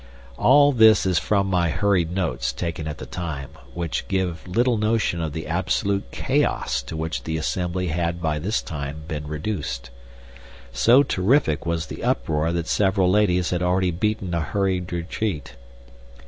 All this is from my hurried notes taken at the time, which give little notion of the absolute chaos to which the assembly had by this time been reduced. So terrific was the uproar that several ladies had already beaten a hurried retreat.